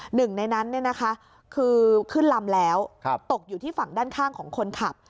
หนึ่งในนั้นคือขึ้นลำแล้วตกอยู่ที่ฝั่งด้านข้างของคนขับ